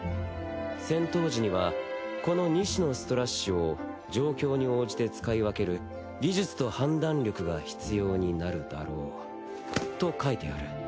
戦闘時にはこの２種のストラッシュを状況に応じて使い分ける技術と判断力が必要になるだろうと書いてある。